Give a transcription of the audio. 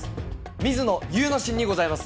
水野祐之進にございます。